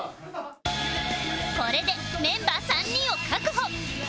これでメンバー３人を確保